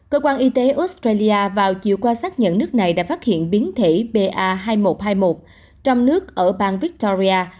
cơ quan y tế australia vào chiều qua xác nhận nước này đã phát hiện biến thể ba hai nghìn một trăm hai mươi một trong nước ở bang victoria